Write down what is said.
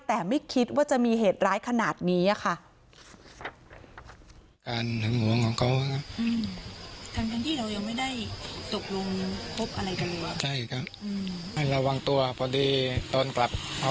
แต่ไม่คิดว่าจะมีเหตุร้ายขนาดนี้ค่ะ